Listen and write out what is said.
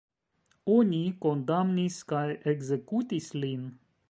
Oni kondamnis kaj ekzekutis lin.